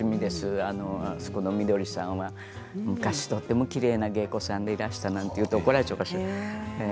あそこのみどりさんは昔とてもきれいな芸子さんでいらっしゃったなんて言うと怒られちゃうかしら。